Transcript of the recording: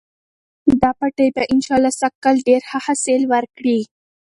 دا پټی به انشاالله سږکال ډېر ښه حاصل ورکړي.